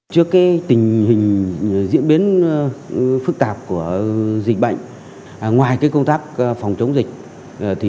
trước tình hình diễn biến phức tạp của dịch bệnh ngoài công tác phòng chống dịch